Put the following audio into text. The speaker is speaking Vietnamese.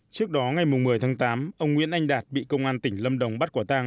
trước đó ngày một mươi tháng tám ông nguyễn anh đạt bị công an tỉnh lâm đồng bắt quả tang